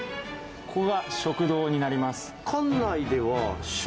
ここが食堂になります。